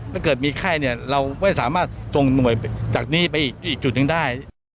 ถ้าเกิดมีไข้เนี่ยเราไม่สามารถส่งหน่วยจากนี้ไปอีกจุดหนึ่งได้